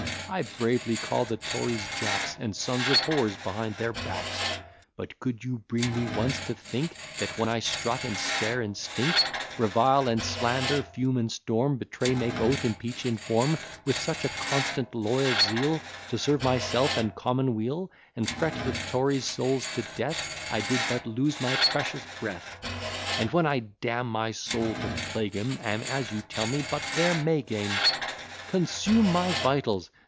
I bravely call the Tories Jacks, And sons of whores behind their backs. But could you bring me once to think, That when I strut, and stare, and stink, Revile and slander, fume and storm, Betray, make oath, impeach, inform, With such a constant loyal zeal To serve myself and commonweal, And fret the Tories' souls to death, I did but lose my precious breath; And, when I damn my soul to plague 'em, Am, as you tell me, but their May game; Consume my vitals!